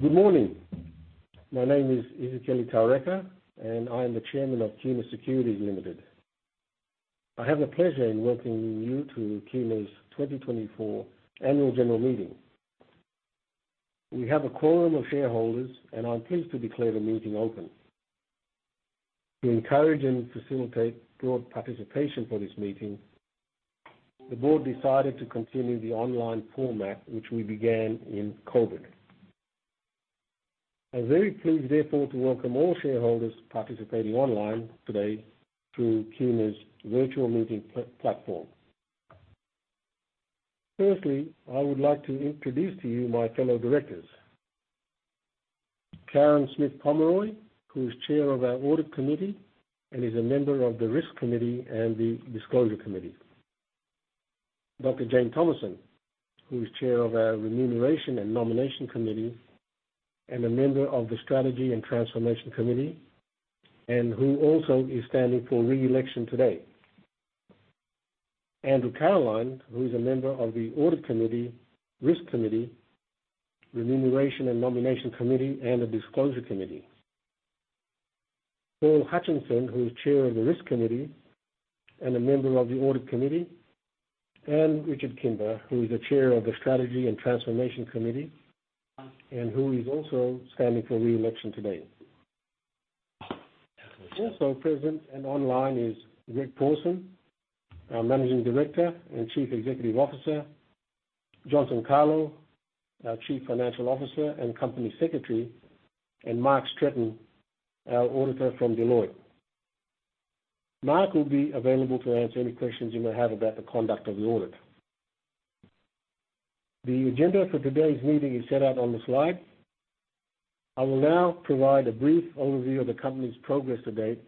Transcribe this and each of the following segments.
Good morning. My name is Isikeli Taureka, and I am the chairman of Kina Securities Limited. I have the pleasure in welcoming you to Kina's 2024 Annual General Meeting. We have a quorum of shareholders, and I'm pleased to declare the meeting open. To encourage and facilitate broad participation for this meeting, the board decided to continue the online format, which we began in COVID. I'm very pleased, therefore, to welcome all shareholders participating online today through Kina's virtual meeting platform. Firstly, I would like to introduce to you my fellow directors: Karen Smith-Pomeroy, who is Chair of our Audit Committee and is a member of the Risk Committee and the Disclosure Committee. Dr. Jane Thomason, who is Chair of our Remuneration and Nomination Committee, and a member of the Strategy and Transformation Committee, and who also is standing for re-election today. Andrew Carriline, who is a member of the audit committee, risk committee, remuneration and nomination committee, and the disclosure committee. Paul Hutchinson, who is chair of the risk committee and a member of the audit committee. And Richard Kimber, who is the chair of the Strategy and Transformation Committee, and who is also standing for re-election today. Also present and online is Greg Pawson, our Managing Director and Chief Executive Officer, Johnson Kalo, our Chief Financial Officer and Company Secretary, and Mark Stretton, our auditor from Deloitte. Mark will be available to answer any questions you may have about the conduct of the audit. The agenda for today's meeting is set out on the slide. I will now provide a brief overview of the company's progress to date,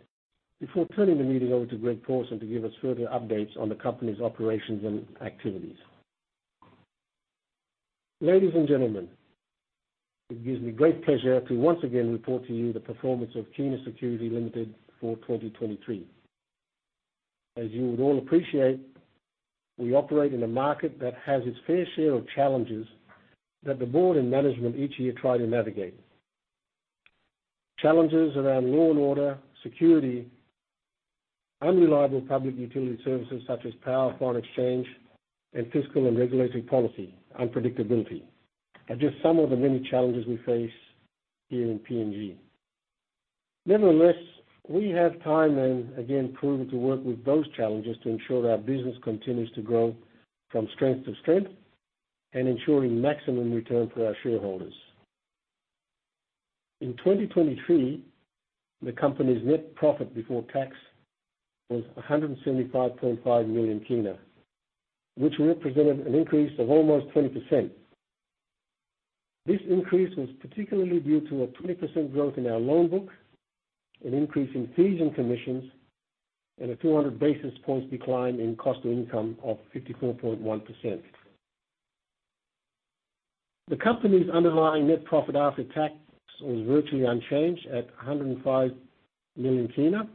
before turning the meeting over to Greg Pawson to give us further updates on the company's operations and activities. Ladies and gentlemen, it gives me great pleasure to once again report to you the performance of Kina Securities Limited for 2023. As you would all appreciate, we operate in a market that has its fair share of challenges that the board and management each year try to navigate. Challenges around law and order, security, unreliable public utility services, such as power, foreign exchange, and fiscal and regulatory policy unpredictability, are just some of the many challenges we face here in PNG. Nevertheless, we have time and again proven to work with those challenges to ensure that our business continues to grow from strength to strength and ensuring maximum return for our shareholders. In 2023, the company's net profit before tax was PGK 175.5 million, which represented an increase of almost 20%. This increase was particularly due to a 20% growth in our loan book, an increase in fees and commissions, and a 200 basis points decline in cost of income of 54.1%. The company's underlying net profit after tax was virtually unchanged at PGK 105 million,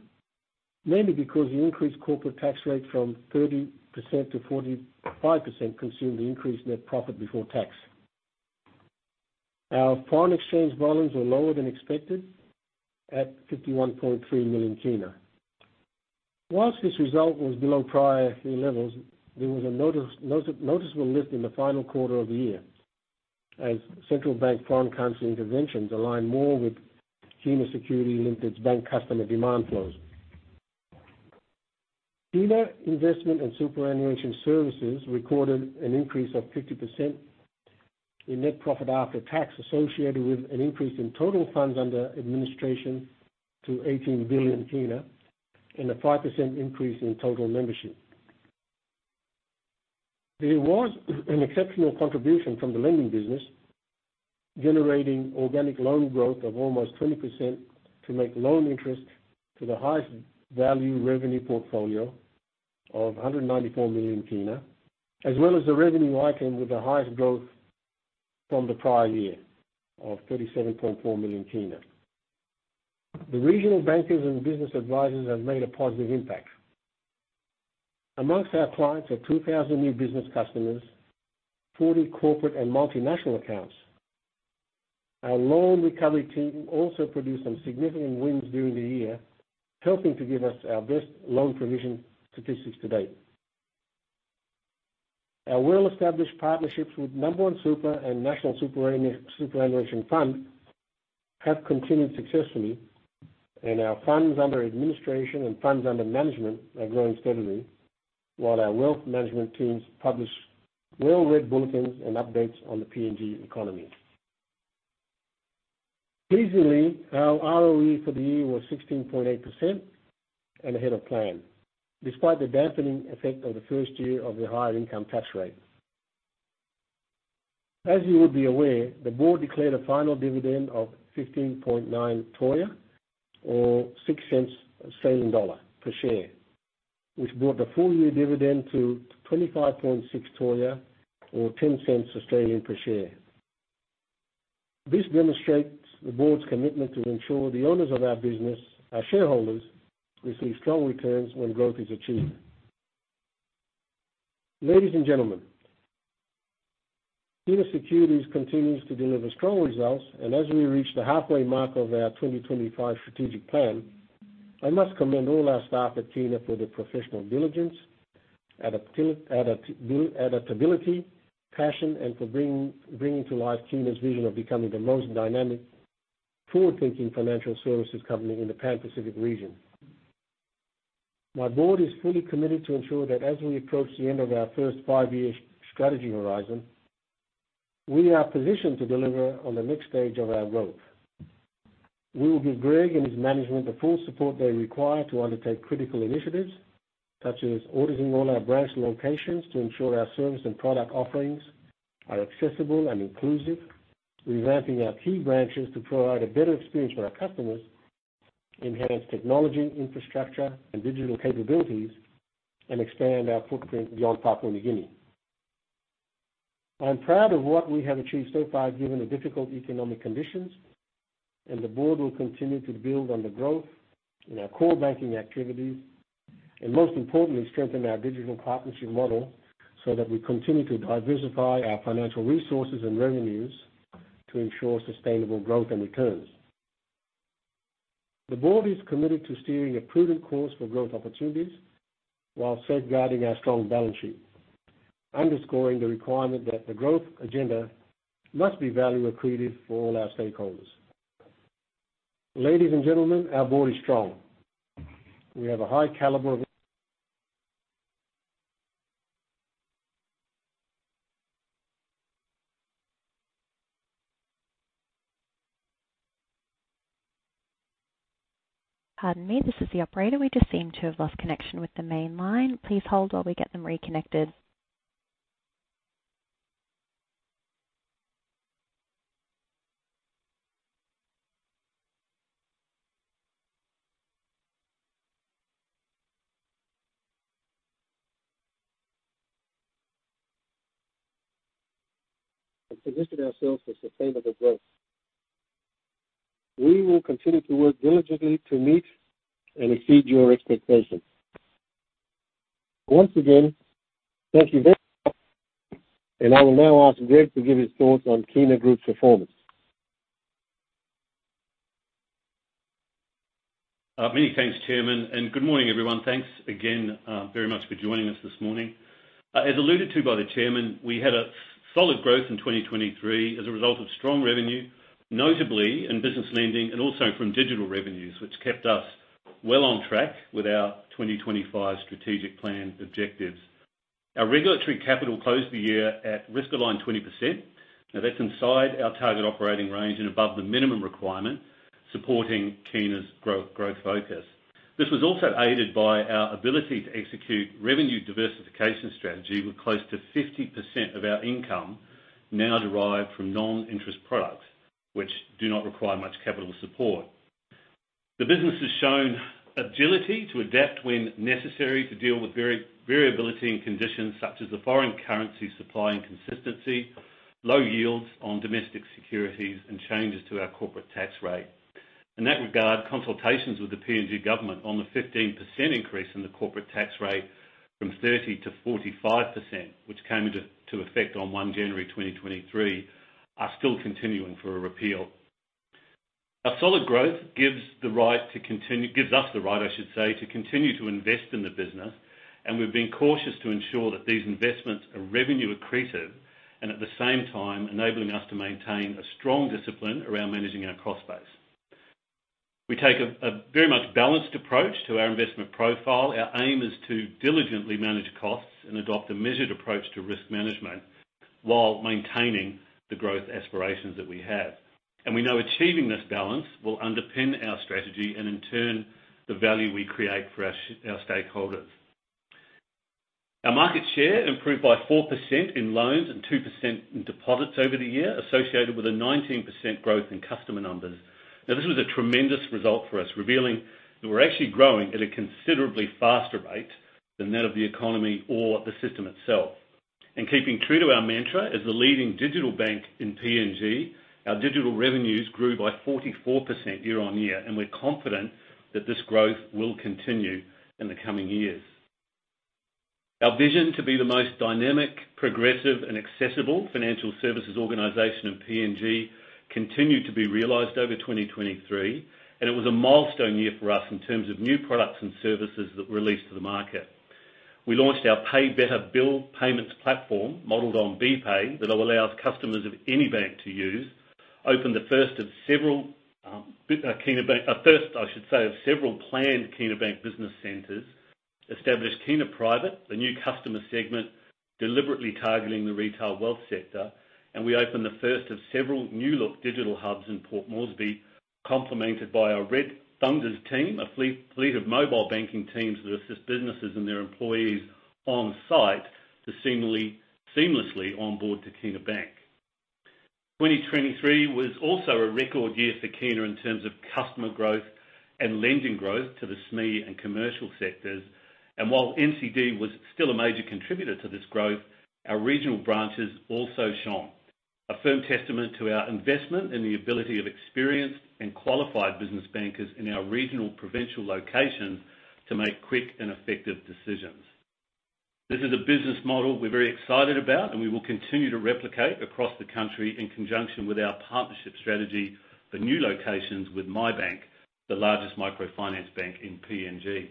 mainly because the increased corporate tax rate from 30%-45% consumed the increased net profit before tax. Our foreign exchange volumes were lower than expected, at PGK 51.3 million. While this result was below prior year levels, there was a noticeable lift in the final quarter of the year, as central bank foreign currency interventions aligned more with Kina Securities Limited's bank customer demand flows. Kina Investment and Superannuation Services recorded an increase of 50% in net profit after tax, associated with an increase in total funds under administration to PGK 18 billion, and a 5% increase in total membership. There was an exceptional contribution from the lending business, generating organic loan growth of almost 20% to make loan interest to the highest value revenue portfolio of PGK 194 million, as well as the revenue item with the highest growth from the prior year of PGK 37.4 million. The regional bankers and business advisors have made a positive impact. Among our clients are 2,000 new business customers, 40 corporate and multinational accounts. Our loan recovery team also produced some significant wins during the year, helping to give us our best loan provision statistics to date. Our well-established partnerships with Nambawan Super and National Superannuation Fund have continued successfully, and our funds under administration and funds under management are growing steadily, while our wealth management teams publish well-read bulletins and updates on the PNG economy. Pleasingly, our ROE for the year was 16.8% and ahead of plan, despite the dampening effect of the first year of the higher income tax rate. As you would be aware, the board declared a final dividend of 15.9 toea or 0.06 per share, which brought the full-year dividend to 25.6 toea or 0.10 per share. This demonstrates the board's commitment to ensure the owners of our business, our shareholders, receive strong returns when growth is achieved.... Ladies and gentlemen, Kina Securities continues to deliver strong results, and as we reach the halfway mark of our 2025 strategic plan, I must commend all our staff at Kina for their professional diligence, adaptability, passion, and for bringing to life Kina's vision of becoming the most dynamic, forward-thinking financial services company in the Pan Pacific region. My board is fully committed to ensure that as we approach the end of our first five-year strategy horizon, we are positioned to deliver on the next stage of our growth. We will give Greg and his management the full support they require to undertake critical initiatives, such as auditing all our branch locations to ensure our service and product offerings are accessible and inclusive, revamping our key branches to provide a better experience for our customers, enhance technology, infrastructure, and digital capabilities, and expand our footprint beyond Papua New Guinea. I'm proud of what we have achieved so far, given the difficult economic conditions, and the board will continue to build on the growth in our core banking activities, and most importantly, strengthen our digital partnership model so that we continue to diversify our financial resources and revenues to ensure sustainable growth and returns. The board is committed to steering a prudent course for growth opportunities while safeguarding our strong balance sheet, underscoring the requirement that the growth agenda must be value accretive for all our stakeholders. Ladies and gentlemen, our board is strong. We have a high caliber of- Pardon me, this is the operator. We just seem to have lost connection with the main line. Please hold while we get them reconnected. Position ourselves for sustainable growth. We will continue to work diligently to meet and exceed your expectations. Once again, thank you very much, and I will now ask Greg to give his thoughts on Kina Group's performance. Many thanks, Chairman, and good morning, everyone. Thanks again, very much for joining us this morning. As alluded to by the Chairman, we had a solid growth in 2023 as a result of strong revenue, notably in business lending and also from digital revenues, which kept us well on track with our 2025 strategic plan objectives. Our regulatory capital closed the year at risk of loan 20%. Now, that's inside our target operating range and above the minimum requirement, supporting Kina's growth, growth focus. This was also aided by our ability to execute revenue diversification strategy, with close to 50% of our income now derived from non-interest products, which do not require much capital support. The business has shown agility to adapt when necessary to deal with variability in conditions such as the foreign currency supply and consistency, low yields on domestic securities, and changes to our corporate tax rate. In that regard, consultations with the PNG government on the 15% increase in the corporate tax rate from 30%-45%, which came into effect on 1 January 2023, are still continuing for a repeal. A solid growth gives us the right, I should say, to continue to invest in the business, and we've been cautious to ensure that these investments are revenue accretive, and at the same time, enabling us to maintain a strong discipline around managing our cost base. We take a very much balanced approach to our investment profile. Our aim is to diligently manage costs and adopt a measured approach to risk management while maintaining the growth aspirations that we have. We know achieving this balance will underpin our strategy and, in turn, the value we create for our stakeholders. Our market share improved by 4% in loans and 2% in deposits over the year, associated with a 19% growth in customer numbers. Now, this was a tremendous result for us, revealing that we're actually growing at a considerably faster rate than that of the economy or the system itself. Keeping true to our mantra, as the leading digital bank in PNG, our digital revenues grew by 44% year-on-year, and we're confident that this growth will continue in the coming years. Our vision to be the most dynamic, progressive, and accessible financial services organization in PNG continued to be realized over 2023, and it was a milestone year for us in terms of new products and services that we released to the market. We launched our Pei Beta Bill payments platform, modeled on BPAY, that will allow customers of any bank to use. Opened the first, I should say, of several planned Kina Bank business centers. Established Kina Private, a new customer segment, deliberately targeting the retail wealth sector. And we opened the first of several new look digital hubs in Port Moresby, complemented by our Red Thunder team, a fleet of mobile banking teams that assist businesses and their employees on site to seamlessly onboard to Kina Bank. 2023 was also a record year for Kina in terms of customer growth and lending growth to the SME and commercial sectors. And while NCD was still a major contributor to this growth, our regional branches also shone.... A firm testament to our investment in the ability of experienced and qualified business bankers in our regional provincial locations to make quick and effective decisions. This is a business model we're very excited about, and we will continue to replicate across the country in conjunction with our partnership strategy for new locations with MiBank, the largest microfinance bank in PNG.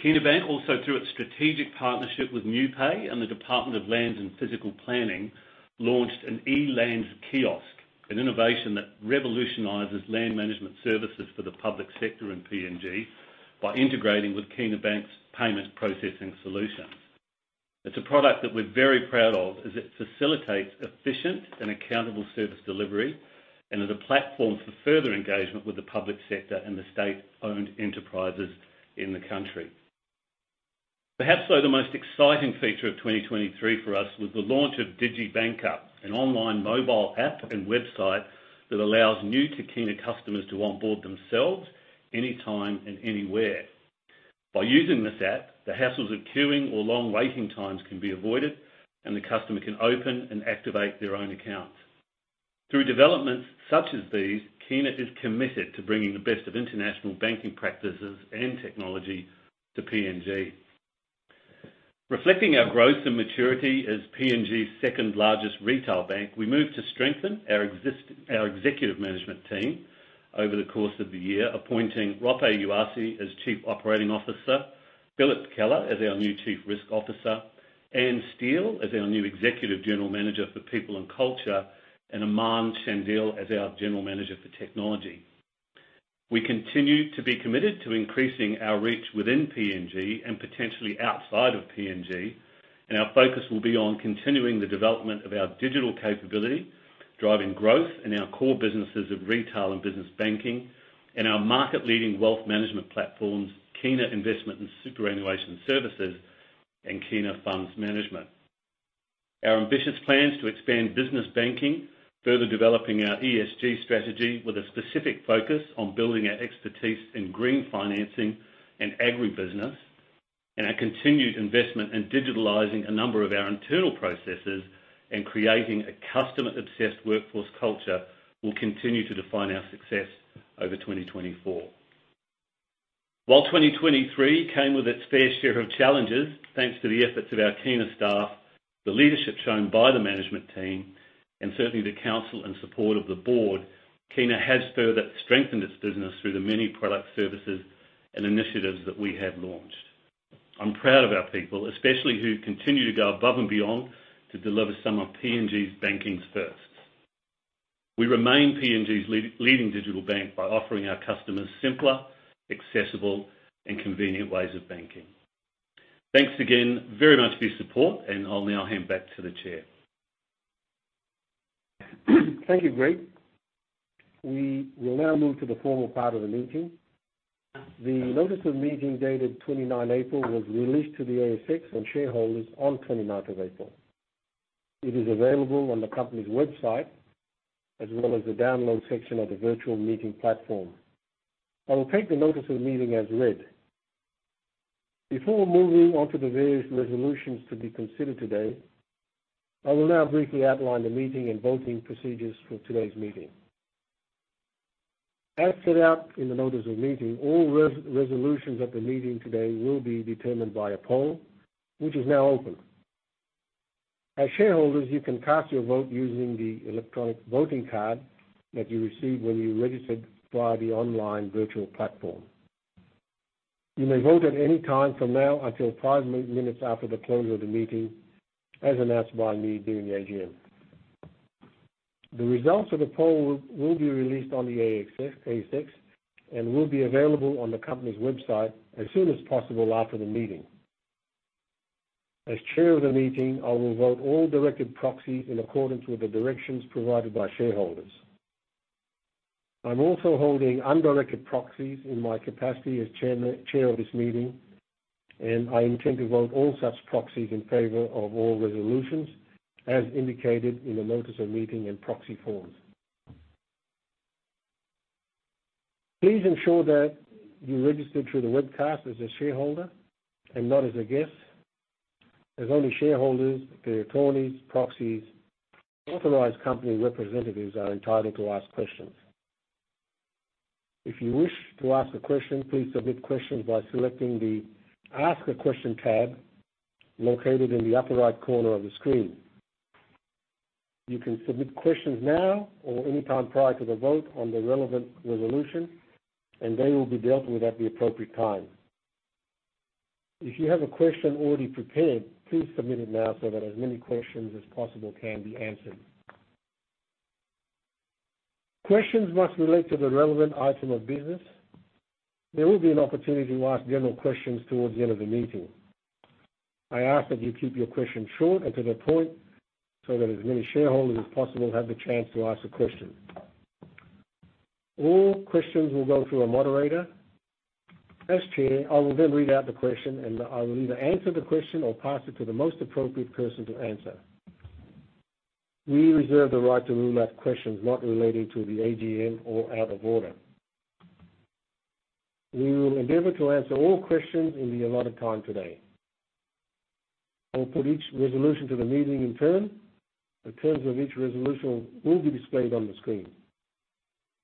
Kina Bank, also through its strategic partnership with NiuPay and the Department of Land and Physical Planning, launched an eLands kiosk, an innovation that revolutionizes land management services for the public sector in PNG by integrating with Kina Bank's payment processing solution. It's a product that we're very proud of, as it facilitates efficient and accountable service delivery and is a platform for further engagement with the public sector and the state-owned enterprises in the country. Perhaps, though, the most exciting feature of 2023 for us was the launch of DigiBanker, an online mobile app and website that allows new to Kina customers to onboard themselves anytime and anywhere. By using this app, the hassles of queuing or long waiting times can be avoided, and the customer can open and activate their own accounts. Through developments such as these, Kina is committed to bringing the best of international banking practices and technology to PNG. Reflecting our growth and maturity as PNG's second-largest retail bank, we moved to strengthen our executive management team over the course of the year, appointing Roppe Uyassi as Chief Operating Officer, Philip Keller as our new Chief Risk Officer, Ann Steele as our new Executive General Manager for People and Culture, and Aman Shandil as our General Manager for Technology. We continue to be committed to increasing our reach within PNG and potentially outside of PNG, and our focus will be on continuing the development of our digital capability, driving growth in our core businesses of retail and business banking, and our market-leading wealth management platforms, Kina Investment and Superannuation Services and Kina Funds Management. Our ambitious plans to expand business banking, further developing our ESG strategy with a specific focus on building our expertise in green financing and agribusiness, and our continued investment in digitalizing a number of our internal processes and creating a customer-obsessed workforce culture, will continue to define our success over 2024. While 2023 came with its fair share of challenges, thanks to the efforts of our Kina staff, the leadership shown by the management team, and certainly the counsel and support of the board, Kina has further strengthened its business through the many product services and initiatives that we have launched. I'm proud of our people, especially who continue to go above and beyond to deliver some of PNG's banking firsts. We remain PNG's leading digital bank by offering our customers simpler, accessible, and convenient ways of banking. Thanks again very much for your support, and I'll now hand back to the chair. Thank you, Greg. We will now move to the formal part of the meeting. The notice of meeting, dated 29 April, was released to the ASX and shareholders on 29th of April. It is available on the company's website, as well as the Download section of the virtual meeting platform. I will take the notice of the meeting as read. Before moving on to the various resolutions to be considered today, I will now briefly outline the meeting and voting procedures for today's meeting. As set out in the notice of meeting, all resolutions at the meeting today will be determined by a poll, which is now open. As shareholders, you can cast your vote using the electronic voting card that you received when you registered via the online virtual platform. You may vote at any time from now until five minutes after the close of the meeting, as announced by me during the AGM. The results of the poll will be released on the ASX and will be available on the company's website as soon as possible after the meeting. As chair of the meeting, I will vote all directed proxies in accordance with the directions provided by shareholders. I'm also holding undirected proxies in my capacity as chair of this meeting, and I intend to vote all such proxies in favor of all resolutions, as indicated in the notice of meeting and proxy forms. Please ensure that you registered through the webcast as a shareholder and not as a guest, as only shareholders, their attorneys, proxies, authorized company representatives are entitled to ask questions. If you wish to ask a question, please submit questions by selecting the Ask a Question tab located in the upper right corner of the screen. You can submit questions now or anytime prior to the vote on the relevant resolution, and they will be dealt with at the appropriate time. If you have a question already prepared, please submit it now so that as many questions as possible can be answered. Questions must relate to the relevant item of business. There will be an opportunity to ask general questions towards the end of the meeting. I ask that you keep your questions short and to the point so that as many shareholders as possible have the chance to ask a question. All questions will go through a moderator. As chair, I will then read out the question, and I will either answer the question or pass it to the most appropriate person to answer. We reserve the right to rule out questions not related to the AGM or out of order. ... We will endeavor to answer all questions in the allotted time today. I'll put each resolution to the meeting in turn. The terms of each resolution will be displayed on the screen.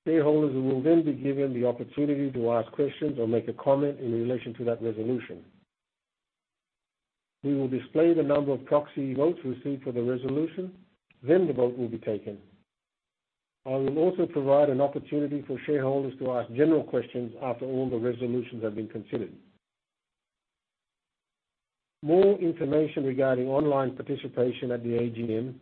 Shareholders will then be given the opportunity to ask questions or make a comment in relation to that resolution. We will display the number of proxy votes received for the resolution, then the vote will be taken. I will also provide an opportunity for shareholders to ask general questions after all the resolutions have been considered. More information regarding online participation at the AGM,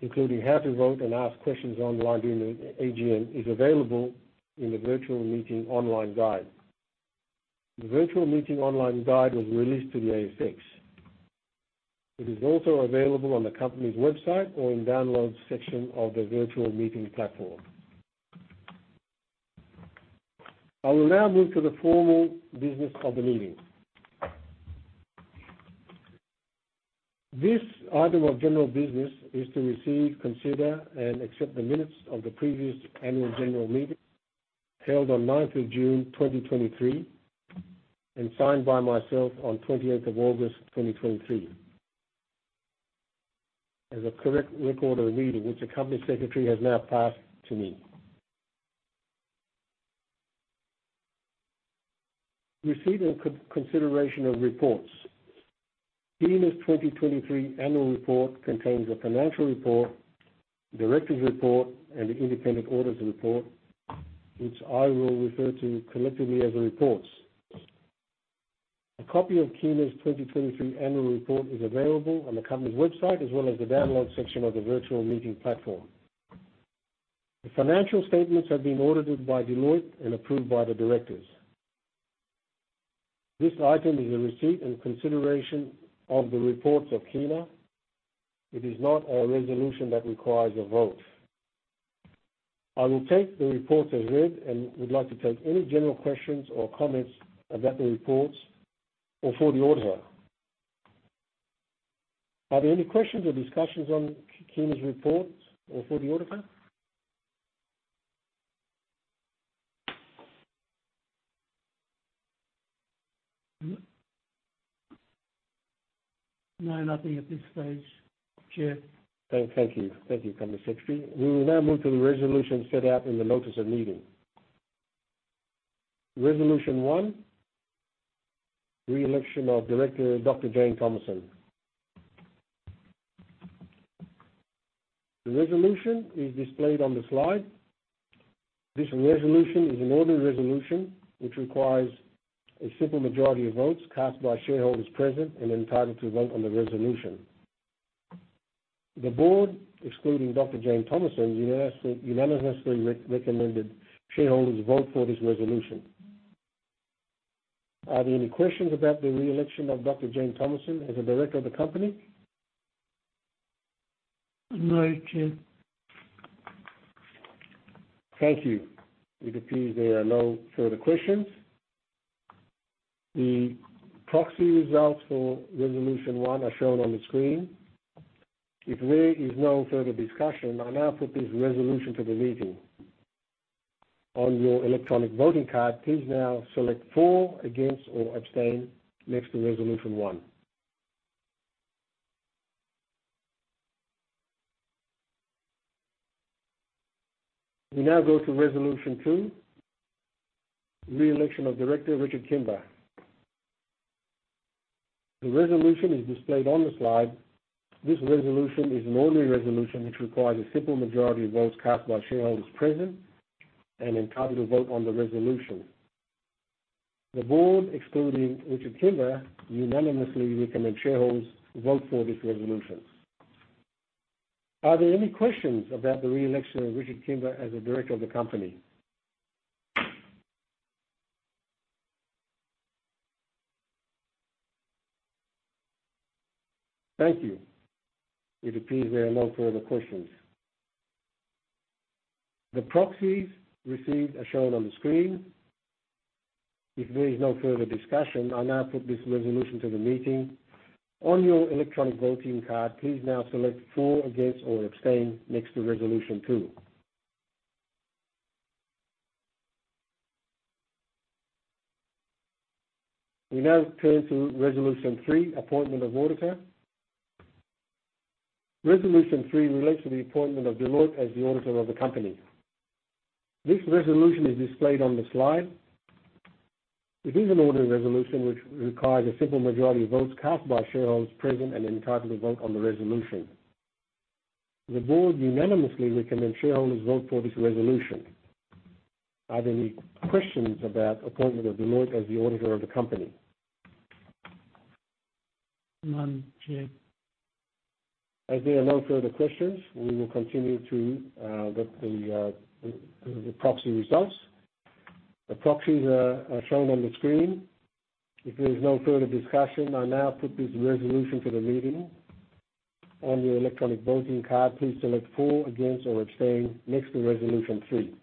including how to vote and ask questions online during the AGM, is available in the virtual meeting online guide. The virtual meeting online guide was released to the ASX. It is also available on the company's website or in download section of the virtual meeting platform. I will now move to the formal business of the meeting. This item of general business is to receive, consider, and accept the minutes of the previous annual general meeting, held on ninth of June, 2023, and signed by myself on 28 of August, 2023, as a correct record of the meeting, which the company secretary has now passed to me. Receipt and consideration of reports. Kina's 2023 annual report contains a financial report, directors' report, and the independent auditor's report, which I will refer to collectively as the reports. A copy of Kina's 2023 annual report is available on the company's website, as well as the download section of the virtual meeting platform. The financial statements have been audited by Deloitte and approved by the directors. This item is a receipt and consideration of the reports of Kina. It is not a resolution that requires a vote. I will take the report as read and would like to take any general questions or comments about the reports or for the auditor. Are there any questions or discussions on Kina's reports or for the auditor? No, nothing at this stage, Chair. Thank you. Thank you, Company Secretary. We will now move to the resolution set out in the notice of meeting. Resolution one, re-election of Director Dr. Jane Thomason. The resolution is displayed on the slide. This resolution is an ordinary resolution, which requires a simple majority of votes cast by shareholders present and entitled to vote on the resolution. The board, excluding Dr. Jane Thomason, unanimously recommended shareholders vote for this resolution. Are there any questions about the re-election of Dr. Jane Thomason as a director of the company? No, Chair. Thank you. It appears there are no further questions. The proxy results for resolution one are shown on the screen. If there is no further discussion, I now put this resolution to the meeting. On your electronic voting card, please now select for, against, or abstain next to resolution one. We now go to resolution two, re-election of Director Richard Kimber. The resolution is displayed on the slide. This resolution is an ordinary resolution, which requires a simple majority of votes cast by shareholders present and entitled to vote on the resolution. The board, excluding Richard Kimber, unanimously recommend shareholders vote for this resolution. Are there any questions about the re-election of Richard Kimber as a director of the company? Thank you. It appears there are no further questions. The proxies received are shown on the screen. If there is no further discussion, I now put this resolution to the meeting. On your electronic voting card, please now select for, against, or abstain next to resolution two. We now turn to resolution three, appointment of auditor. Resolution three relates to the appointment of Deloitte as the auditor of the company. This resolution is displayed on the slide. It is an ordinary resolution, which requires a simple majority of votes cast by shareholders present and entitled to vote on the resolution. The board unanimously recommend shareholders vote for this resolution. Are there any questions about appointment of Deloitte as the auditor of the company? None, Chair. As there are no further questions, we will continue to get the the proxy results. The proxies are shown on the screen. If there is no further discussion, I now put this resolution to the meeting. On your electronic voting card, please select for, against, or abstain next to resolution three.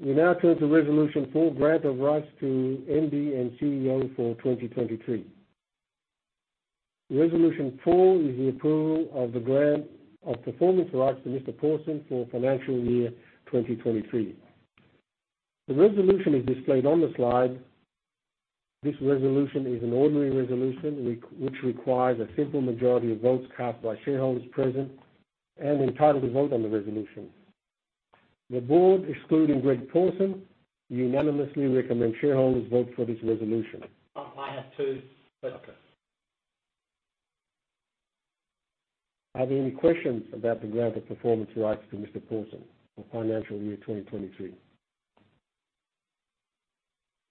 We now turn to Resolution four, grant of rights to MD and CEO for 2023. Resolution four is the approval of the grant of performance rights to Mr. Pawson for financial year 2023. The resolution is displayed on the slide. This resolution is an ordinary resolution, which requires a simple majority of votes cast by shareholders present and entitled to vote on the resolution. The board, excluding Greg Pawson, unanimously recommend shareholders vote for this resolution. I have to- Okay. Are there any questions about the grant of performance rights to Mr. Pawson for financial year 2023?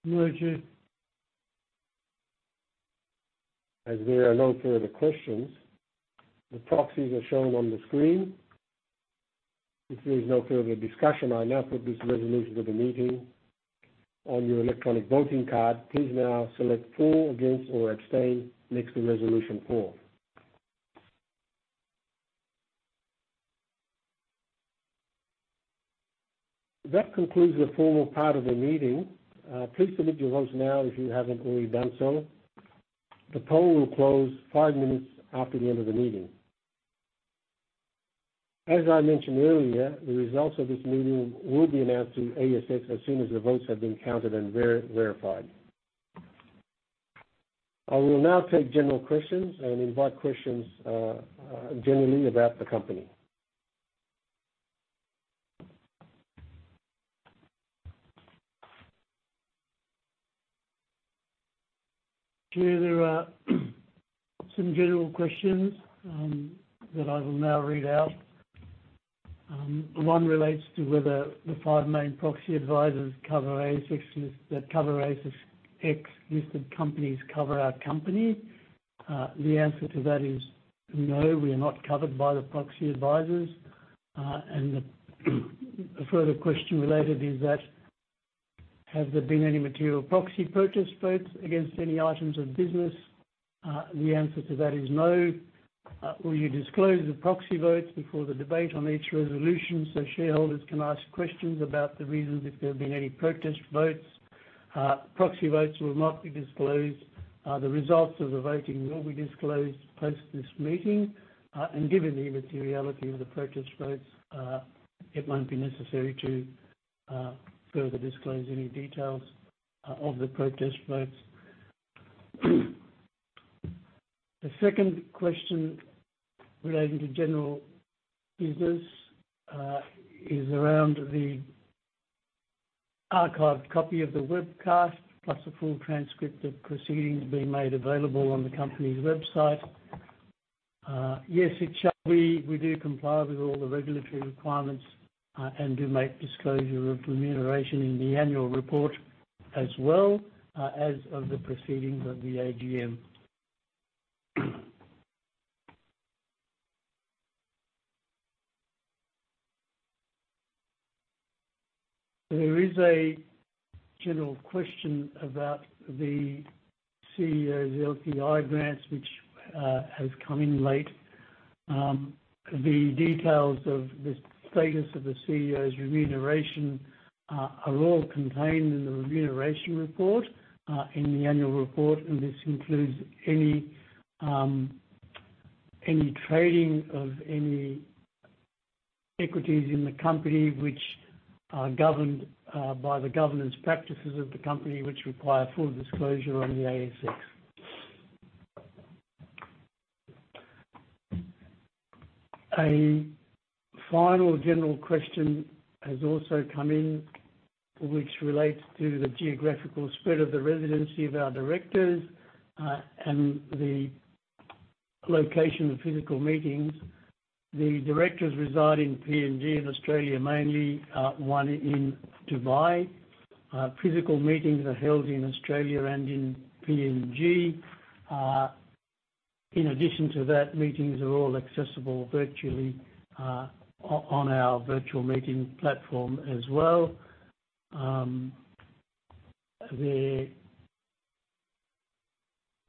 No, chair. As there are no further questions, the proxies are shown on the screen. If there is no further discussion, I now put this resolution to the meeting. On your electronic voting card, please now select for, against, or abstain next to resolution four. That concludes the formal part of the meeting. Please submit your votes now if you haven't already done so. The poll will close five minutes after the end of the meeting. As I mentioned earlier, the results of this meeting will be announced to ASX as soon as the votes have been counted and verified. I will now take general questions and invite questions generally about the company. Chair, there are some general questions that I will now read out. One relates to whether the five main proxy advisors that cover ASX-listed companies cover our company. The answer to that is no, we are not covered by the proxy advisors. A further question related is that, has there been any material proxy protest votes against any items of business? The answer to that is no. Will you disclose the proxy votes before the debate on each resolution so shareholders can ask questions about the reasons if there have been any protest votes? Proxy votes will not be disclosed. The results of the voting will be disclosed post this meeting, and given the materiality of the protest votes, it won't be necessary to further disclose any details of the protest votes. The second question relating to general business, is around the archived copy of the webcast, plus a full transcript of proceedings being made available on the company's website. Yes, it shall be. We do comply with all the regulatory requirements, and do make disclosure of remuneration in the annual report, as well, as of the proceedings of the AGM. There is a general question about the CEO's LPI grants, which has come in late. The details of the status of the CEO's remuneration, are all contained in the remuneration report, in the annual report, and this includes any, any trading of any equities in the company, which are governed, by the governance practices of the company, which require full disclosure on the ASX. A final general question has also come in, which relates to the geographical spread of the residency of our directors, and the location of physical meetings. The directors reside in PNG and Australia, mainly, one in Dubai. Physical meetings are held in Australia and in PNG. In addition to that, meetings are all accessible virtually, on our virtual meeting platform as well.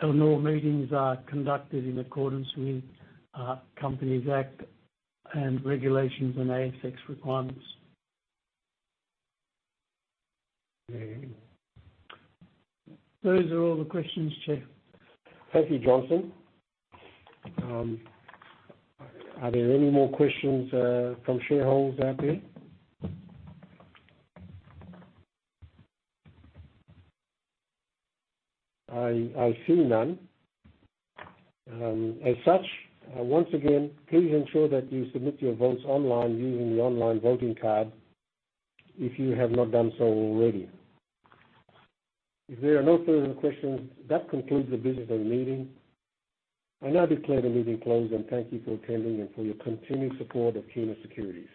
And all meetings are conducted in accordance with, Companies Act and regulations and ASX requirements. Those are all the questions, Chair. Thank you, Johnson. Are there any more questions from shareholders out there? I see none. As such, once again, please ensure that you submit your votes online using the online voting card, if you have not done so already. If there are no further questions, that concludes the business of the meeting. I now declare the meeting closed, and thank you for attending and for your continued support of Kina Securities.